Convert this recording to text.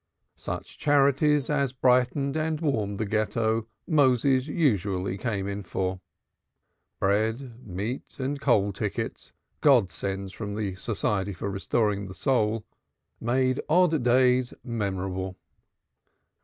Such charities as brightened and warmed the Ghetto Moses usually came in for. Bread, meat and coal tickets, god sends from the Society for Restoring the Soul, made odd days memorable.